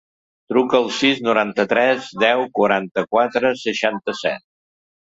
Truca al sis, noranta-tres, deu, quaranta-quatre, seixanta-set.